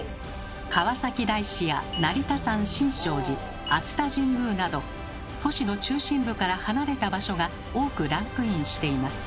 川崎大師や成田山新勝寺熱田神宮など都市の中心部から離れた場所が多くランクインしています。